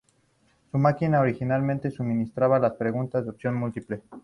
Su máquina originalmente suministraba preguntas de opción múltiple.